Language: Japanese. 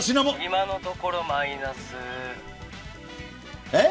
「今のところマイナス」えっ？